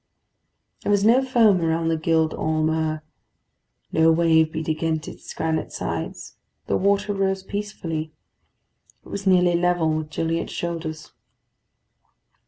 There was no foam around the Gild Holm 'Ur; no wave beat against its granite sides. The water rose peacefully. It was nearly level with Gilliatt's shoulders.